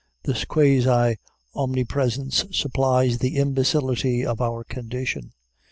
This quasi omnipresence supplies the imbecility of our condition.